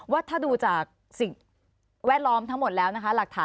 ว่าถ้าดูจากสิ่งแวดล้อมทั้งหมดแล้วนะคะหลักฐาน